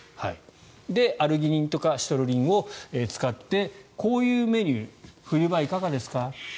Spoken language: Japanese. アルギニンとかシトルリンを使ってこういうメニュー冬場、いかがですか？